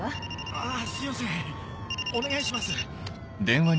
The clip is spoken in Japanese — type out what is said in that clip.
あぁすいませんお願いします。